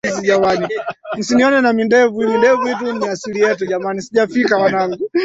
mzuri wa uso muundo wa fuvu paji la